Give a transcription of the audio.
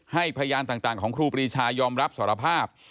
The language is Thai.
พยานต่างของครูปรีชายอมรับสารภาพ